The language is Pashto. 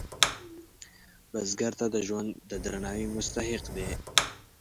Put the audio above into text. بزګر ته د ژوند د درناوي مستحق دی